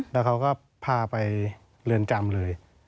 แล้วเขาก็พาไปเรือนจำเลย